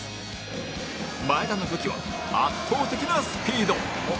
前田の武器は圧倒的なスピード